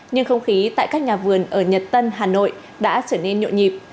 nhưng không khí tại các nhà vườn ở nhật tân hà nội đã trở nên nhộn nhịp